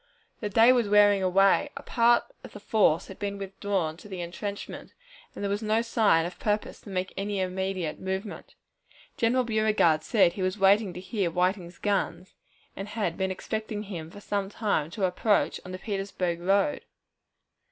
The day was wearing away, a part of the force had been withdrawn to the intrenchment, and there was no sign of purpose to make any immediate movement. General Beauregard said he was waiting to hear Whiting's guns, and had been expecting him for some time to approach on the Petersburg road.